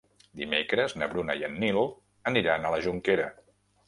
Dimecres na Bruna i en Nil aniran a la Jonquera.